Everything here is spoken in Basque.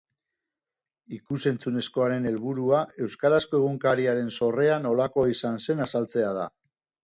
Ikus-entzunezkoaren helburua euskarazko egunkariaren sorrea nolakoa izan zen azaltzea da.